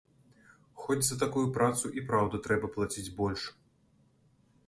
Хоць за такую працу і праўда трэба плаціць больш.